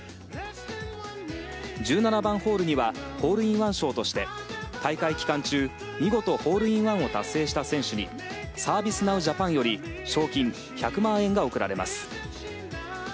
１７番ホールにはホールインワン賞として大会期間中、見事ホールインワンを達成した選手にサービスナウジャパンより賞金１００万円が贈られます。